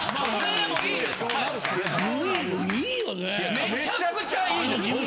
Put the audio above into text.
めちゃくちゃいいです。